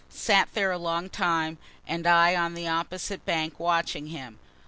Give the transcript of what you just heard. Sat there a long time, and I on the opposite bank watching him.